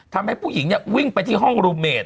ทำให้ผู้หญิงวิ่งไปที่ห้องรูเมด